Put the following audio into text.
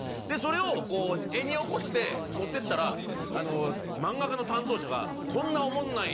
でそれを絵に起こして持ってったら漫画家の担当者が。